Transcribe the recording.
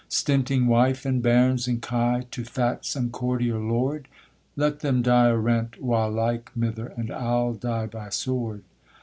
Stinting wife, and bairns, and kye, to fat some courtier lord, Let them die o' rent wha like, mither, and I'll die by sword.